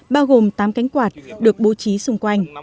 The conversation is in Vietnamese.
bao gồm tám cánh quạt được bố trí xung quanh